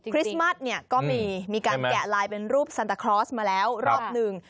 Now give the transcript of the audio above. คริสต์มัสเนี่ยก็มีการแกะลายเป็นรูปซันตาคลอสมาแล้วรอบหนึ่ง